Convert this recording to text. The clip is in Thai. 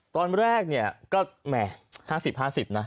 ตอนแรกก็แหม่๕๐๕๐นะ